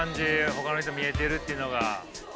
ほかの人見えてるっていうのが。